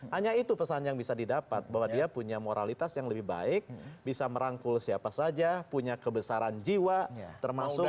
hanya itu pesan yang bisa didapat bahwa dia punya moralitas yang lebih baik bisa merangkul siapa saja punya kebesaran jiwa termasuk